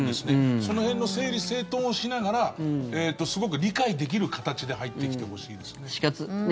その辺の整理整頓をしながらすごく理解できる形で入ってきてほしいですね。